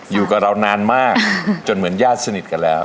อยู่กับเรานานมากจนเหมือนญาติสนิทกันแล้ว